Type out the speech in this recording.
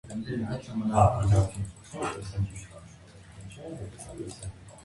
Տերևները նեղ են, գծաձև կամ նշտարաբահաձև։